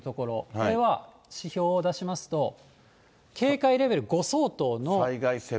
これは指標を出しますと、警戒レベル５相当の。